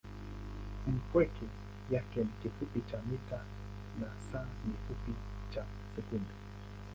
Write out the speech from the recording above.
m peke yake ni kifupi cha mita na s ni kifupi cha sekunde.